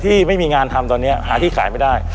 ที่ไม่มีงานทำตอนนี้หาที่ขายไม่ได้